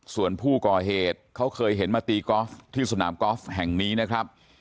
ส่วนผู้ก่อเหตุเขาเคยเห็นมาตีกอล์ฟที่สนามกอล์ฟแห่งนี้นะครับ